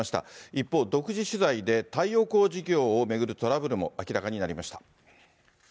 一方、独自取材で、太陽光事業を巡るトラブルも明らかになりました。